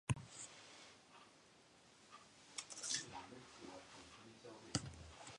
They chose this specific area because the rolling hills reminded them of Vermont.